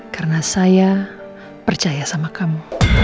karena saya percaya sama kamu